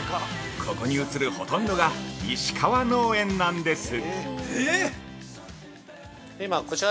ここに映るほとんどが石川農園なんです。